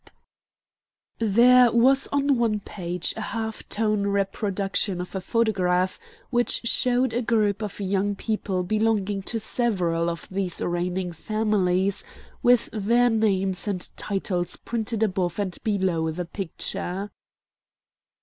There was on one page a half tone reproduction of a photograph, which showed a group of young people belonging to several of these reigning families, with their names and titles printed above and below the picture.